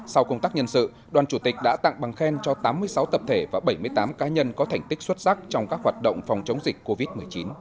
sau công tác nhân sự đoàn chủ tịch đã tặng bằng khen cho tám mươi sáu tập thể và bảy mươi tám cá nhân có thành tích xuất sắc trong các hoạt động phòng chống dịch covid một mươi chín